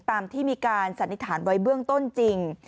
ตามที่มีการสันนิษฐานไว้เบื้องต้นจริง